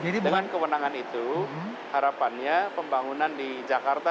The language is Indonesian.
dengan kewenangan itu harapannya pembangunan di jakarta